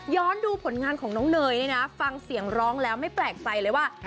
ย้อนดูผลงานของน้องนเงยฟังเสียงร้องแล้วไม่แปลกใจเลยว่า